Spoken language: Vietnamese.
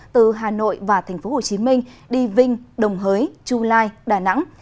từ hà nội và tp hcm đi vinh đồng hới chu lai đà nẵng